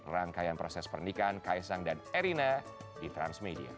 rangkaian proses pernikahan kaisang dan erina di transmedia